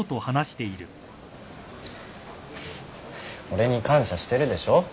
俺に感謝してるでしょ。